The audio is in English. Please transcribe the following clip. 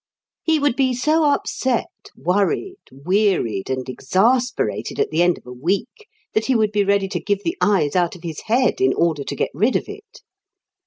He would be so upset, worried, wearied, and exasperated at the end of a week that he would be ready to give the eyes out of his head in order to get rid of it.